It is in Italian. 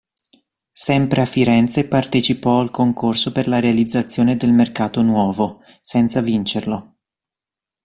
Sempre a Firenze partecipò al concorso per la realizzazione del Mercato Nuovo, senza vincerlo.